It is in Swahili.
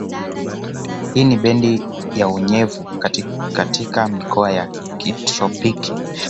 Hii ni bendi ya unyevu katika mikoa ya kitropiki